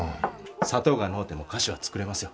砂糖がのうても菓子は作れますよ。